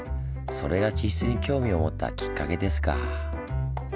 それが地質に興味を持ったきっかけですか。